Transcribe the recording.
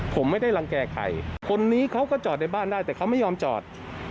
ผมไม่ได้รังแก่ใครคนนี้เขาก็จอดในบ้านได้แต่เขาไม่ยอมจอด